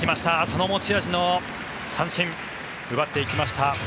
その持ち味の三振奪っていきました。